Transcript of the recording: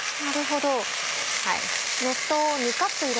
なるほど。